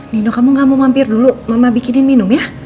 nino kamu gak mau mampir dulu mama bikinin minum ya